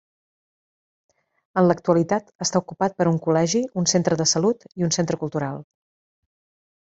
En l'actualitat està ocupat per un col·legi, un centre de salut i un centre cultural.